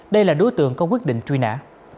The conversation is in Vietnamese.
đây là đối tượng có quyết định truy nã